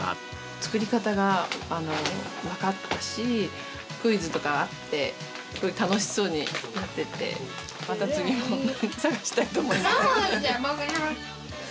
作り方が分かったし、クイズとかあって、すごい楽しそうにやってて、また次も探したいと思います。